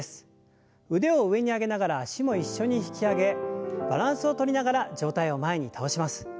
腕を上に上げながら脚も一緒に引き上げバランスをとりながら上体を前に倒します。